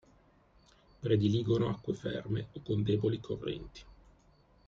Prediligono acque ferme o con deboli correnti.